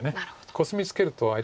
コスミツケると相手が。